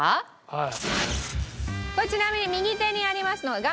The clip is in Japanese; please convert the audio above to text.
はい。